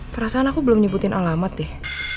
perasaan aku belum nyebutin alamat deh